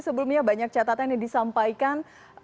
sebelumnya banyak catatan yang disampaikan